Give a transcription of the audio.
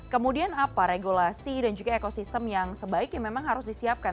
kemudian apa regulasi dan juga ekosistem yang sebaik yang memang harus disiapkan